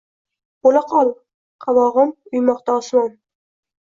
Bo‘laqol, qavog‘in uymoqda osmon.